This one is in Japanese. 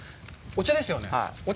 お茶ですよね？